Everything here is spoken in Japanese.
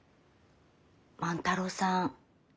万太郎さん